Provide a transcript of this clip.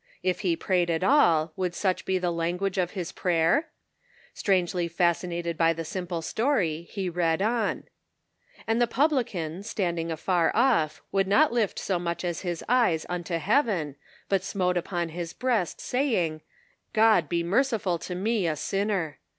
If he prayed at all, would such be the language of his prayer ? Strangely fascinated by the simple story, he read on : "And the publican, standing afar off, would not lift up so much as his eyes unto heaven, but smote upon his breast, saying, ' God be merciful to me, a sinner.'